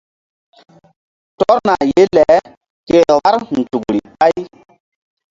Tɔrna ye le ke vbár nzukri ɓáy.